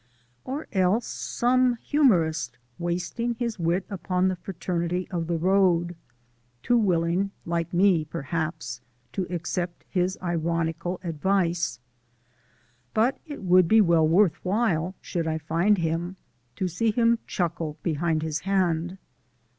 Or else some humourist wasting his wit upon the Fraternity of the Road, too willing (like me, perhaps) to accept his ironical advice. But it would be well worth while should I find him, to see him chuckle behind his hand.